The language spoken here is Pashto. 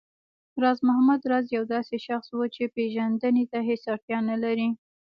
راز محمد راز يو داسې شخص و چې پېژندنې ته هېڅ اړتيا نه لري